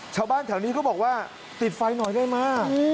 ชาวบ้านแถวนี้ก็บอกว่าติดไฟหน่อยได้ไหม